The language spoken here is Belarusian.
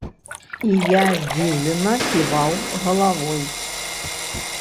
І я здзіўлена ківаў галавой.